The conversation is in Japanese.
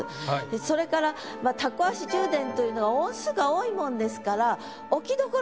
それから「タコ足充電」というのは音数が多いもんですから。